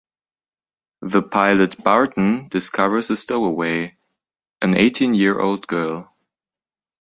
The pilot, Barton, discovers a stowaway: an eighteen-year-old girl.